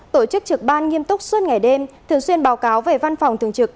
tổ chức trực ban nghiêm túc suốt ngày đêm thường xuyên báo cáo về văn phòng thường trực